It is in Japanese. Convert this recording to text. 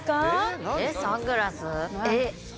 えっサングラス？